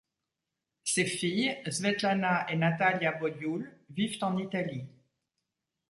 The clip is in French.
Ses filles, Svetlana et Natalia Bodiul, vivent en Italie.